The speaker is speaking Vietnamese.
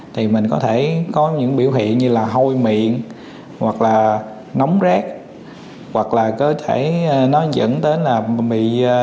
thì mình có thể có những biểu hiện như là hôi miệng hoặc là nóng rác hoặc là có thể nó dẫn tới là bị